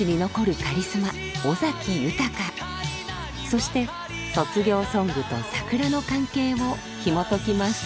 そして卒業ソングと桜の関係をひも解きます。